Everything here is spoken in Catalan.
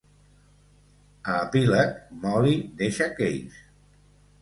A epíleg, Molly deixa Case.